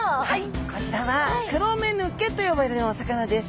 こちらはクロメヌケと呼ばれるお魚です。